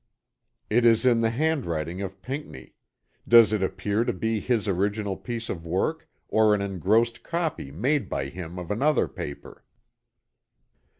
It is in the handwriting of Pinckney; does it appear to be his original piece of work, or an engrossed copy made by him of another paper?